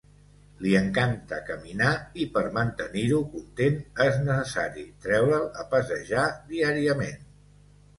Li encanta caminar i per mantenir-ho content és necessari treure'l a passejar diàriament.